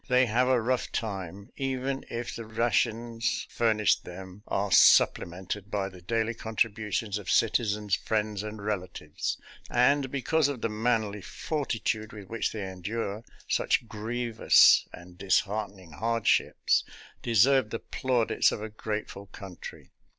They have a rough time, even if the ra tions furnished them are supplemented by the daily contributions of citizens, friends, and rela tives; and, because of the manly fortitude with which they endure such grievous and dishearten ing hardships, deserve the plaudits of a grateful 242 SOLDIER'S LETTERS TO CHARMING NELLIE3 country.